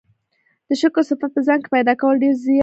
د شکر صفت په ځان کي پيدا کول ډير زيات ضروري دی